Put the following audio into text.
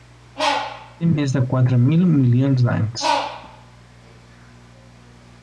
Té més de quatre mil milions d'anys.